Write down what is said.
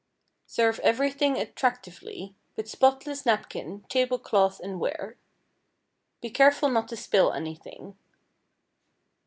Serve everything attractively, with spotless napkin, table cloth, and ware. Be careful not to spill anything.